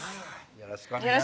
よろしくお願いします